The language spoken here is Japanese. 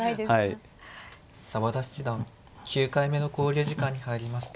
澤田七段９回目の考慮時間に入りました。